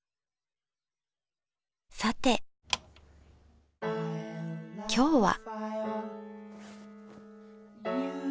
さて今日は？